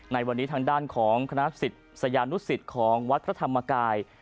ในวันนี้ทางด้านของคณะศิษยานุสิตของวัดพระธรรมกาย